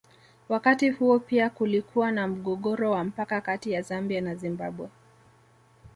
Wakati huo pia kulikuwa na mgogoro wa mpaka kati ya Zambia na Zimbabwe